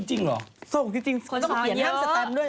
ส่งจริงต้องเขียนแย่มสตันด้วย